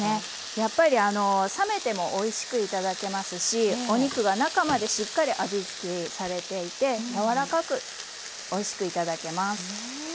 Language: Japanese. やっぱり冷めてもおいしく頂けますしお肉が中までしっかり味つけされていて柔らかくおいしく頂けます。